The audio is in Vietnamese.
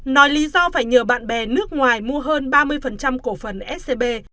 nói lý do phải nhờ bạn bè nước ngoài mua hơn ba mươi cổ phần scb